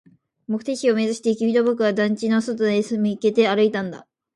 目的地を目指して、君と僕は団地の外へ向けて歩いたんだ